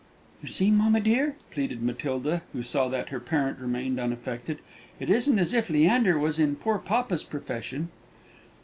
"You see, mamma dear," pleaded Matilda, who saw that her parent remained unaffected, "it isn't as if Leander was in poor papa's profession."